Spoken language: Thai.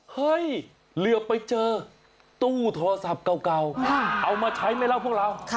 เฮ้ยเรียบไปเจอตู้โทรศัพท์เก่าเอามาใช้ไหมเราพวกเรา